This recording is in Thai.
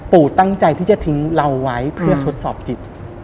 ตั้งใจที่จะทิ้งเราไว้เพื่อทดสอบจิต